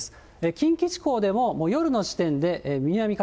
近畿地方でももう夜の時点で南風、